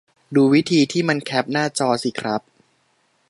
ดูวิธีที่มันแคปหน้าจอสิครับ